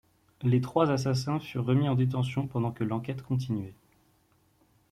Les trois assassins furent remis en détention pendant que l'enquête continuait.